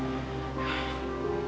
yuk udah pegel